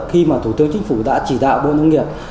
khi mà thủ tướng chính phủ đã chỉ đạo bộ nông nghiệp